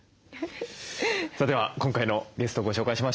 さあでは今回のゲストをご紹介しましょう。